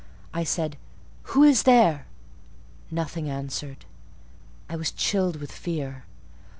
I said, "Who is there?" Nothing answered. I was chilled with fear.